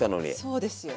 そうですよ。